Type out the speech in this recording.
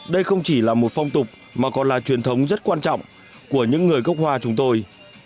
đây không chỉ là một phong tục mà còn là truyền thống rất quan trọng của những người gốc hoa chúng tôi